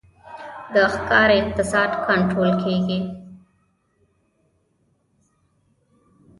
د ښکار اقتصاد کنټرول کیږي